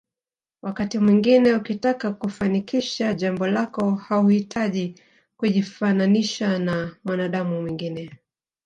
Wakati mwingine ukitaka kufanikisha jambo lako hauhitaji kujifananisha na mwanadamu mwingine